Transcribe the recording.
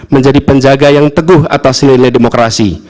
menjadi penjaga yang teguh atas silat